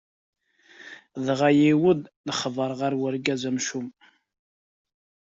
Dɣa yewweḍ lexbar ɣer urgaz amcum.